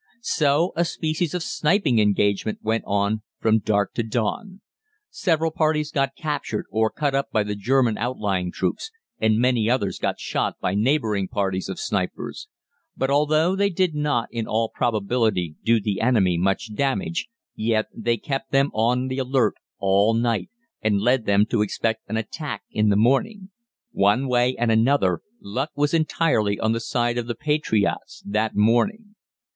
So a species of sniping engagement went on from dark to dawn. Several parties got captured or cut up by the German outlying troops and many others got shot by neighbouring parties of snipers. But, although they did not in all probability do the enemy much damage, yet they kept them on the alert all night, and led them to expect an attack in the morning. One way and another luck was entirely on the side of the patriots that morning.